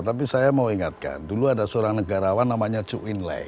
tapi saya ingatkan dulu ada seorang negarawan namanya chu in lai